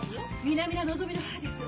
南田のぞみの母です。